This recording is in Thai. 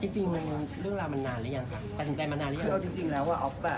จริงแล้วเรื่องราวมันนานแล้วยังครับ